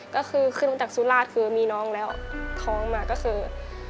ก็คือขึ้นมาจากสุราชคือมีน้องแล้วท้องมาก็คือ